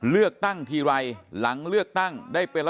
คุณวราวุฒิศิลปะอาชาหัวหน้าภักดิ์ชาติไทยพัฒนา